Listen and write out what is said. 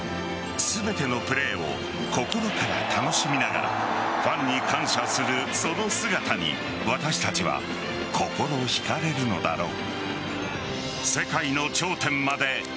全てのプレーを心から楽しみながらファンに感謝するその姿に私たちは心ひかれるのだろう。